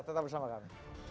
tetap bersama kami